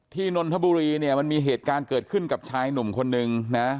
นนทบุรีเนี่ยมันมีเหตุการณ์เกิดขึ้นกับชายหนุ่มคนนึงนะ